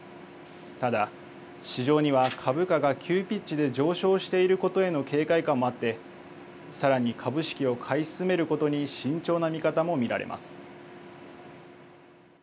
ただ市場には株価が急ピッチで上昇していることへの警戒感もあってさらに株式を買い進めることに慎重な見方も見られます。